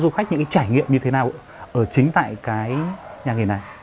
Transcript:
du khách những cái trải nghiệm như thế nào ở chính tại cái nhà nghề này